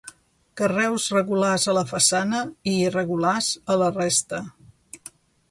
Carreus regulars a la façana i irregulars a la resta.